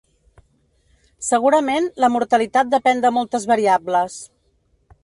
Segurament, la mortalitat depèn de moltes variables.